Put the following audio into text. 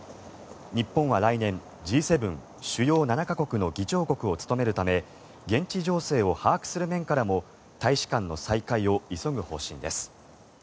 日本は来年、Ｇ７・主要７か国の議長国を務めるため現地情勢を把握する面からも大使館の再開を急ぐ方針です。